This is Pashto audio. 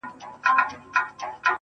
o كړۍ ،كـړۍ لكه ځنځير ويـده دی.